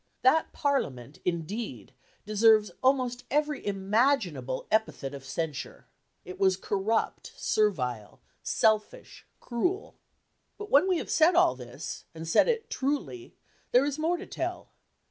That Parliament, indeed, deserves almost every imaginable epithet of censure. It was corrupt, servile, selfish, cruel. But when we have said all this, and said it truly, there is more to tell.